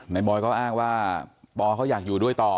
บอยก็อ้างว่าปอเขาอยากอยู่ด้วยต่อ